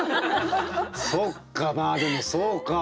そっかまあでもそうか。